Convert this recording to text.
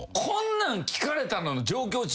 こんなん聞かれたらの状況